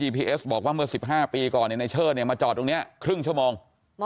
พ่อมันเปลี่ยนแปลงเยอะ